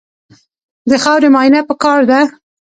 د خاورې معاینه پکار ده.